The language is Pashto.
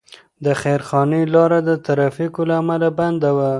د خیرخانې لاره د ترافیکو له امله بنده وه.